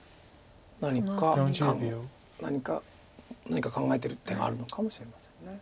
何か考えてる手があるのかもしれません。